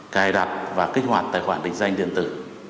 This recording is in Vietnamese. cài đặt và kích hoạt tài khoản định danh điện tử